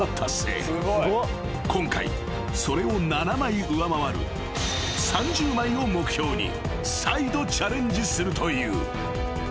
［今回それを７枚上回る３０枚を目標に再度チャレンジするという］